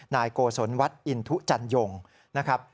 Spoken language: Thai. นายโกศลวัดอินทุจันยงนะครับ